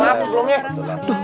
maaf ya belum ya